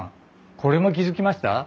これも気付きました？